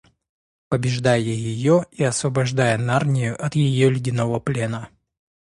побеждая ее и освобождая Нарнию от ее ледяного плена.